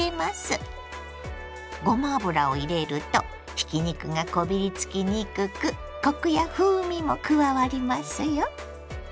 ごま油を入れるとひき肉がこびりつきにくくコクや風味も加わりますよ。